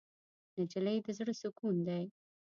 نجلۍ د زړه سکون دی.